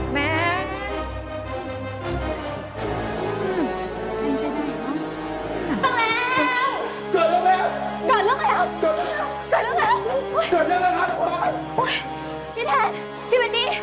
เต็มแล้ว